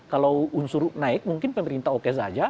kalau unsur naik mungkin pemerintah oke saja